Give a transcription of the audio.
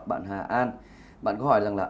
bạn hà an bạn có hỏi rằng là